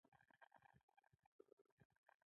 کله چې خبرې کوم، خپله ژبه ژوندی کوم.